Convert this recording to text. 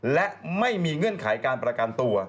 และไม่มีเงื่อนไขการประกันตัว